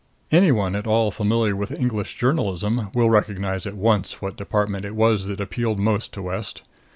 Any one at all familiar with English journalism will recognize at once what department it was that appealed most to West.